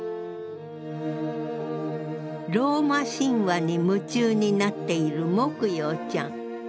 ローマ神話に夢中になっているモクヨウちゃん。